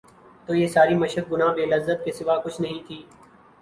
تو یہ ساری مشق گناہ بے لذت کے سوا کچھ نہیں تھی۔